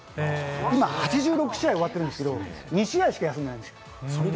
今８６試合終わってるんですけれども、２試合しか休んでないんです。